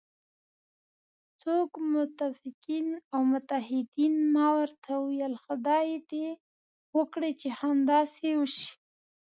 څوک؟ متفقین او متحدین، ما ورته وویل: خدای دې وکړي چې همداسې وشي.